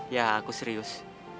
ya aku serius